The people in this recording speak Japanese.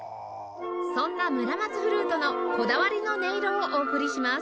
そんなムラマツフルートのこだわりの音色をお送りします